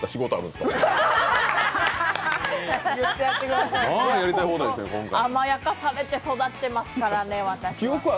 まあ甘やかされて育ってますからね、私は。